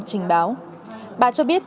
trình báo bà cho biết